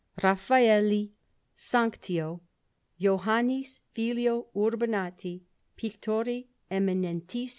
RAPHAELLI SANCTIO JOAN. F. URBINAT. PICTORI EMINENTISS.